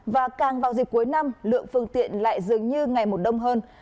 và càng vào dịp cuối năm lượng phương tiện lại dường như ngày một đông hơn